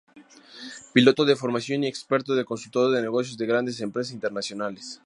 Piloto de formación y experto consultor de negocios de grandes empresas internacionales.